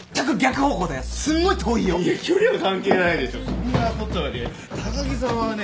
そんなことより高木さんはね